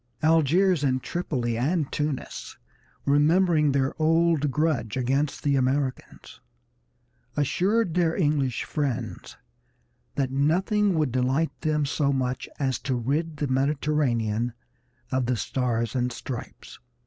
Algiers and Tripoli and Tunis, remembering their old grudge against the Americans, assured their English friends that nothing would delight them so much as to rid the Mediterranean of the Stars and Stripes.